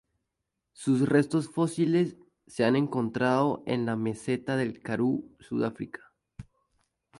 Sus restos fósiles se han encontrado en la meseta del Karoo, Sudáfrica.